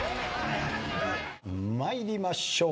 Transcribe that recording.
参りましょう。